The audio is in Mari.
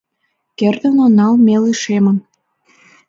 Кертын онал ме лишемын